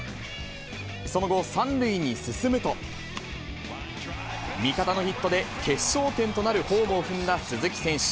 その後、３塁に進むと、味方のヒットで決勝点となるホームを踏んだ鈴木選手。